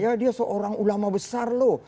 ya dia seorang ulama besar loh